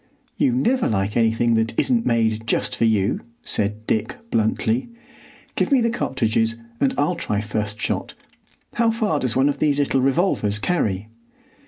"You never like anything that isn't made just for you," said Dick bluntly. "Give me the cartridges, and I'll try first shot. How far does one of these little revolvers carry?"